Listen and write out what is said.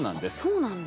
そうなんだ。